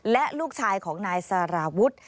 และลูกชายของนายสารวุฒิ